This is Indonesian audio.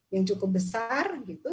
yang cukup besar gitu